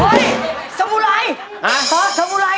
หีดลีร่า